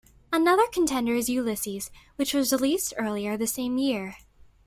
Another contender is "Ulysses", which was released earlier the same year.